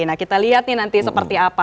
nah kita lihat nih nanti seperti apa